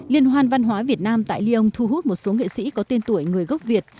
liên hoan văn hóa việt nam tại lyon thu hút một số nghệ sĩ có tên tuổi người gốc việt